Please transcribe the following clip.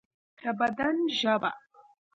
د بدن ژبه